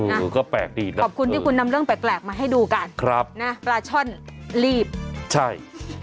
เออก็แปลกดีนะขอบคุณที่คุณนำเรื่องแปลกมาให้ดูกันครับนะปลาช่อนลีบใช่